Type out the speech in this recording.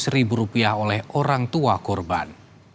seratus ribu rupiah oleh orang tua korban